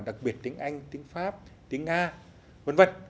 đặc biệt tiếng anh tiếng pháp tiếng nga v v